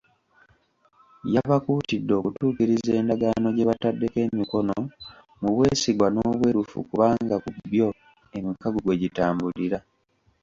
Yabakuutidde okutuukiriza endaaagano gye bataddeko emikono mu bwesigwa n'obwerufu kubanga ku bbyo, emikago kwegitambulira.